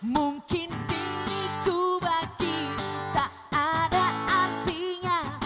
mungkin diriku bagimu tak ada artinya